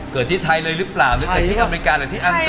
เกิดที่ไทยเลยหรือเปล่าหรือเกิดที่อเมริกาหรือที่อังกฤ